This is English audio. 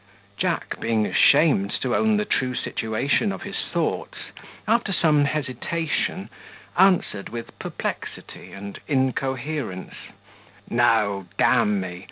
Jack, being ashamed to own the true situation of his thoughts, after some hesitation, answered with perplexity and incoherence, "No, d me!